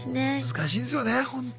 難しいですよねほんと。